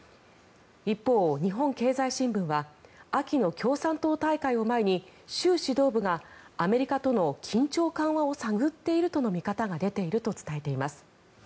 一方、日本経済新聞は秋の共産党大会を前に習指導部がアメリカとの緊張緩和を探っているとの見方が出ていると伝えています。